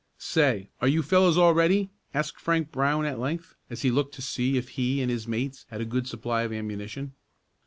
"Say, are you fellows all ready?" asked Frank Brown at length, as he looked to see if he and his mates had a good supply of ammunition.